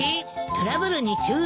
トラブルに注意？